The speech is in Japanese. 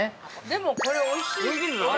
でも、これおいしいですよ。